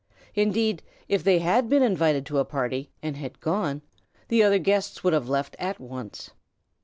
Indeed, if they had been invited to a party and had gone, the other guests would have left at once.